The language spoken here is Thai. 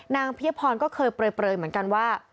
เพียพรก็เคยเปลยเหมือนกันว่า